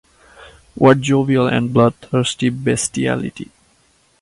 What jovial and bloodthirsty bestiality!